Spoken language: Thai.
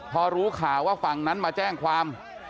พอรู้ข่าวว่าฝั่งนั้นมาแจ้งความ